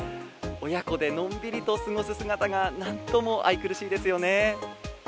親子でのんびりと過ごす姿が、なんとも愛くるしいですよね。